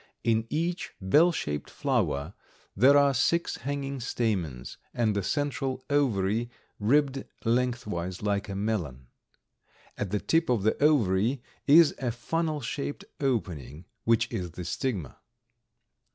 In each bell shaped flower there are six hanging stamens, and a central ovary ribbed lengthwise like a melon. At the tip of the ovary is a funnel shaped opening, which is the stigma.